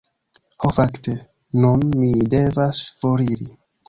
Ho fakte, nun mi devas foriri.